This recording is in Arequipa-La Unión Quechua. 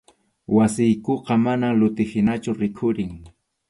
Wasiykuqa manam luti hinachu rikhurin.